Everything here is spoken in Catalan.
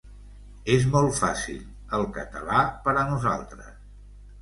És molt fàcil, el català, per a nosaltres.